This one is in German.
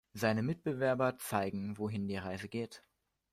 Seine Mitbewerber zeigen, wohin die Reise geht.